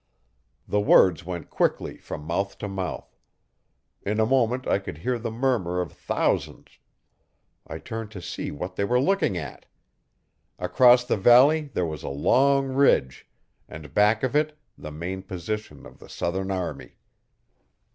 The words went quickly from mouth to mouth. In a moment I could hear the murmur of thousands. I turned to see what they were looking at. Across the valley there was a long ridge, and back of it the main position of the Southern army.